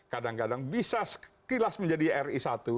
kadang kadang bisa sekilas menjadi ri satu